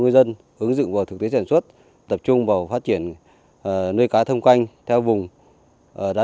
ngư dân ứng dụng vào thực tế sản xuất tập trung vào phát triển nuôi cá thông quanh theo vùng đã